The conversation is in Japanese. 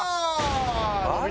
あれ？